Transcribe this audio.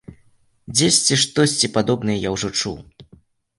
Дзесьці штосьці падобнае я ўжо чуў.